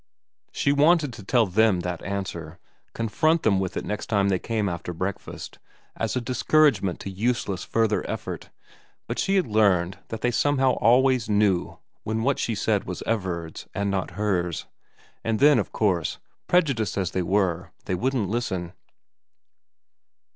She wanted to tell them that answer, confront them with it next time they came after breakfast, as a dis couragement to useless further effort, but she had learned that they somehow always knew when what she said was Everard's and not hers, and then, of course, prejudiced as they were, they wouldn't listen.